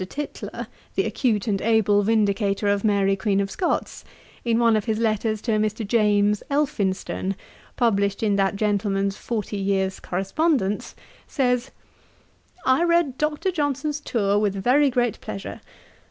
Tytler, the acute and able vindicator of Mary Queen of Scots, in one of his letters to Mr. James Elphinstone, published in that gentleman's Forty Years' Correspondence, says, 'I read Dr. Johnson's Tour with very great pleasure.